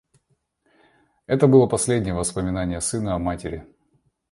Это было последнее воспоминание сына о матери.